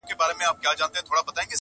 سپی پر خپل مالک د حد له پاسه ګران ؤ,